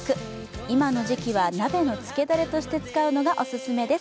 今の時期は、鍋のつけダレとして使うのがおすすめです！